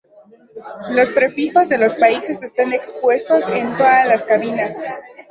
Los prefijos de los países están expuestos en todas las cabinas.